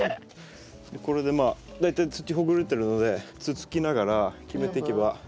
これで大体土ほぐれてるのでつつきながらきめていけば。